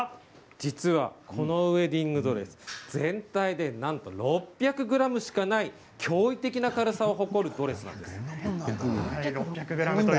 実はこのウエディングドレス全体でなんと６００ｇしかない驚異的な軽さを誇るドレスなんです。